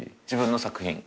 自分の作品？